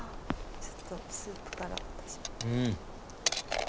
ちょっとスープから。